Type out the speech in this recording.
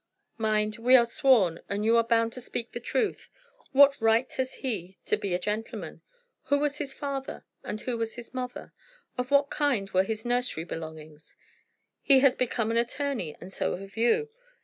"Mind; we are sworn, and you are bound to speak the truth. What right has he to be a gentleman? Who was his father and who was his mother? Of what kind were his nursery belongings? He has become an attorney, and so have you.